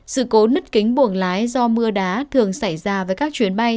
sự cố nứt kính buồng lái do mưa đá thường xảy ra với các chuyến bay